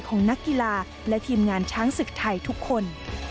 นักกีฬาและทีมงานช้างศึกไทยทุกคน